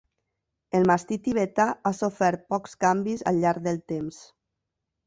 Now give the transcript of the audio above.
El Mastí Tibetà ha sofert pocs canvis al llarg del temps.